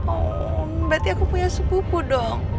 aw berarti aku punya subupu dong